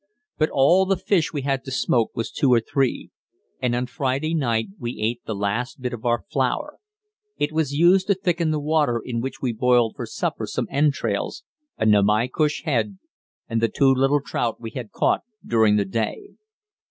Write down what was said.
But all the fish we had to smoke was two or three. And on Friday night we ate the last bit of our flour; it was used to thicken the water in which we boiled for supper some entrails, a namaycush head and the two little trout we had caught during the day.